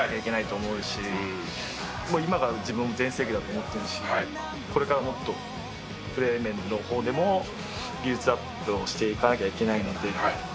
今が自分の全盛期だと思ってるしこれからもっとプレー面の方でも技術アップをしていかなきゃいけないので。